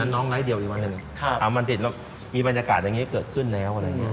น้องไลฟ์เดียวอีกวันเอามันติดแล้วมีบรรยากาศอย่างนี้เกิดขึ้นแล้ว